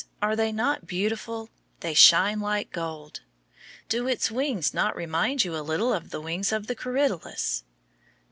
Are they not beautiful? They shine like gold. Do its wings not remind you a little of the wings of the corydalus?